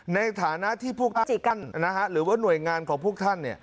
ในฐานะที่ผู้ประจิกันหรือว่าหน่วยงานของผู้ท่าน